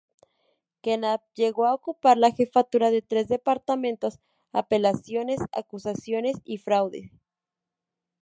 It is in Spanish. Knapp llegó a ocupar la jefatura de tres departamentos: apelaciones, acusaciones y fraude.